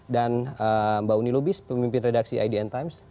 dan mbak uni lubis pemimpin redaksi idn times